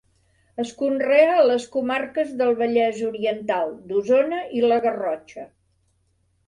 Es conrea a les comarques del Vallès Oriental, d'Osona i la Garrotxa.